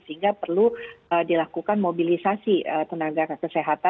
sehingga perlu dilakukan mobilisasi tenaga kesehatan